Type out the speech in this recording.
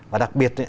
và đặc biệt